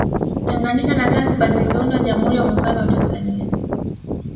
tanganyika na zanzibar ziliunda jamhuri ya muungano wa tanzania